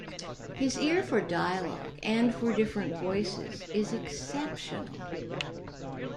His ear for dialogue, and for different voices, is exceptional.